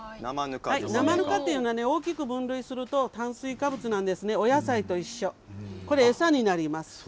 生ぬかというのは大きく分類すると炭水化物なんですね、お野菜と一緒これは餌になります。